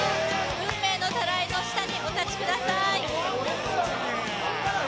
運命のタライの下にお立ちください